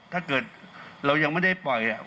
ถ้าเกิดเรายังไม่ได้ปล่อย